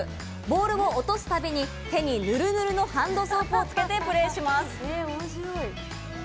ボールを落とすたびに手にぬるぬるのハンドソープをつけてプレーします。